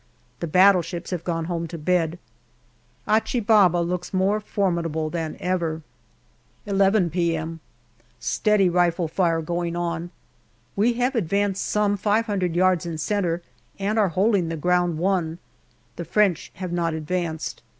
The battleships have gone home to bed. Achi Baba looks more formidable than ever. 11 p.m. Steady rifle fire going on. We have advanced some five hundred yards in centre, and are holding the ground won. The French have not advanced.